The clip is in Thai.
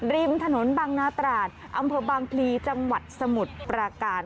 ริมถนนบางนาตราดอำเภอบางพลีจังหวัดสมุทรปราการ